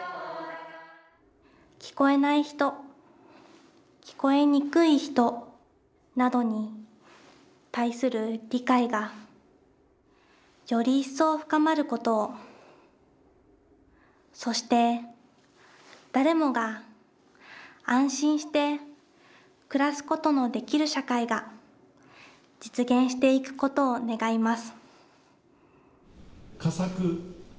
聞こえない人聞こえにくい人などに対する理解がより一層深まることをそして誰もが安心して暮らすことのできる社会が実現していくことを願います。